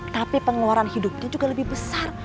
tapi pengeluaran hidupnya juga lebih besar